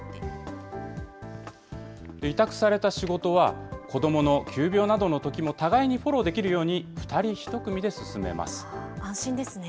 委託された仕事は、子どもの急病などのときも互いにフォローできるように２人１組で安心ですね。